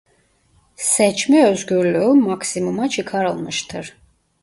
Seçme özgürlüğü maksimuma çıkarılmıştır.